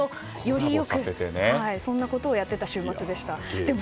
そんなことをやっていた週末でした。